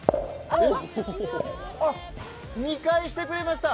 ２回してくれました！